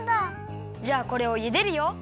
じゃあこれをゆでるよ！